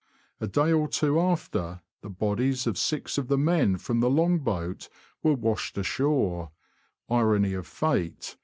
A day or two after, the bodies of six of the men from the long boat were washed ashore (irony of fate